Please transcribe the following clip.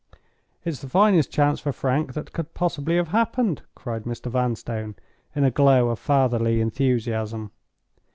"It's the finest chance for Frank that could possibly have happened," cried Mr. Vanstone, in a glow of fatherly enthusiasm.